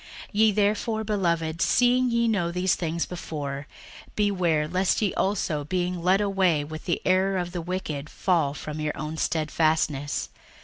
61:003:017 Ye therefore, beloved, seeing ye know these things before, beware lest ye also, being led away with the error of the wicked, fall from your own stedfastness.